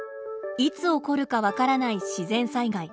いつ起こるか分からない自然災害。